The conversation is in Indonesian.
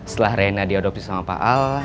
setelah rena diadopsi sama pak al